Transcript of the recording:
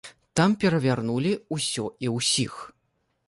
Там перавярнулі ўсё і ўсіх.